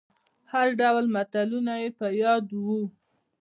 هر ډول متلونه يې په ياد وو.